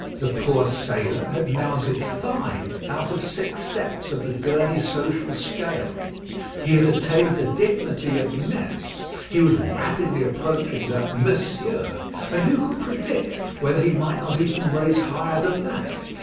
The poor sailor had mounted five out of six steps of the Guernsey social scale; he had attained the dignity of "Mess"; he was rapidly approaching the Monsieur; and who could predict whether he might not even rise higher than that?